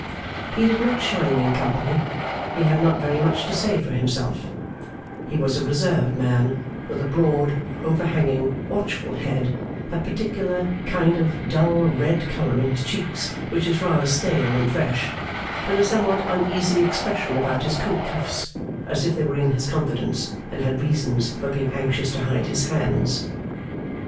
He did not shine in company; he had not very much to say for himself; he was a reserved man, with a broad, overhanging, watchful head, that particular kind of dull red colour in his cheeks which is rather stale than fresh, and a somewhat uneasy expression about his coat cuffs, as if they were in his confidence, and had reasons for being anxious to hide his hands.